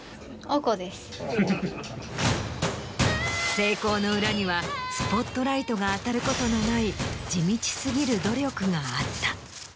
成功の裏にはスポットライトが当たることのない地道過ぎる努力があった。